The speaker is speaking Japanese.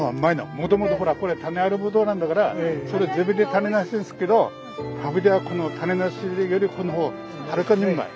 もともとほらこれ種ありブドウなんだからそれ自分で種なしにすっけど食べたらこの種なしよりこの方はるかにうまい。